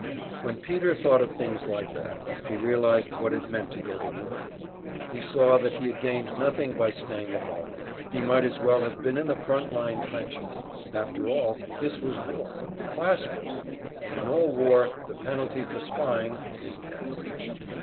When Peter thought of things like that he realized what it meant to go to war; he saw that he had gained nothing by staying at home, he might as well have been in the front line trenches! After all, this was war, class war; and in all war the penalty for spying is death.